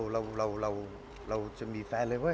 เราจะมีแฟนเลยเว้